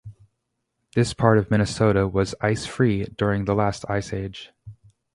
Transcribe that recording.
This part of Minnesota was ice-free during the last ice age.